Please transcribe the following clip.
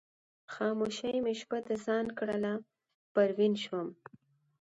خاموشي مې شپه د ځان کړله پروین شوم